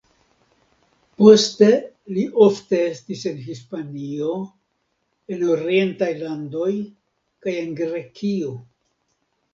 Poste li ofte estis en Hispanio, en orientaj landoj kaj en Grekio.